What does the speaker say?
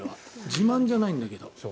自慢じゃないんだけど。